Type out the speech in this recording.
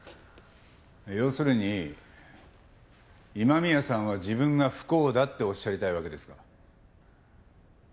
要するに今宮さんは自分が不幸だっておっしゃりたいわけですか？